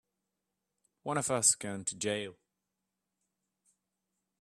One of us is going to jail!